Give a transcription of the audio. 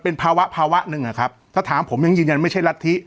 เป็นภาวะภาวะหนึ่งอะครับถ้าถามผมยังยืนยันไม่ใช่รัฐธิ